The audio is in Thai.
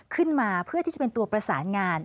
เพื่อที่จะเป็นตัวประสานงาน